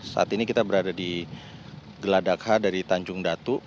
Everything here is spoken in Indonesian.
saat ini kita berada di geladakha dari tanjung datu